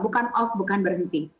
bukan off bukan berhenti